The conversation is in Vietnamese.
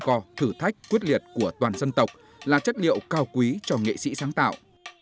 to thử thách quyết liệt của toàn dân tộc là chất liệu cao quý cho nghệ sĩ sáng tạo